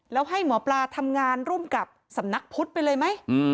แล้วให้หมอปลาทำงานร่วมกับสำนักพุทธไปเลยไหม